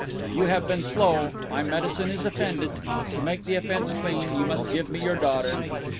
"You have been slow. My medicine is offended. To make the offence clean you must give me your daughter."